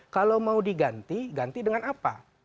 kalau mau diganti ganti dengan apa